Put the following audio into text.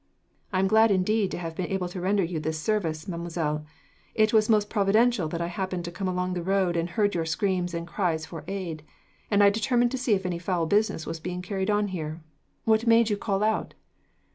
"I am glad, indeed, to have been able to render you this service, mademoiselle. It was most providential that I happened to come along the road, and heard your screams and cries for aid; and I determined to see if any foul business was being carried on here. What made you call out?"